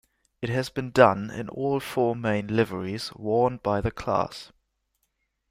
It has been done in all four main liveries worn by the class.